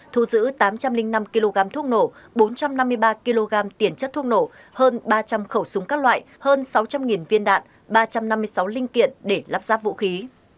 thu giữ tám trăm linh năm kg thuốc nổ bốn trăm năm mươi ba kg tiền chất thuốc nổ hơn ba trăm linh khẩu súng các loại hơn sáu trăm linh viên đạn ba trăm năm mươi sáu linh kiện để lắp ráp vũ khí